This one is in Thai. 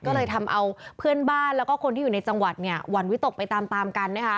ก็เลยทำเอาเพื่อนบ้านและคนที่อยู่ในจังหวัดหวั่นวิตกไปตามกัน